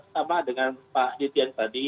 sama dengan pak nitian tadi